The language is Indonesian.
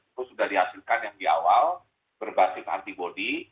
itu sudah dihasilkan yang di awal berbasis antibody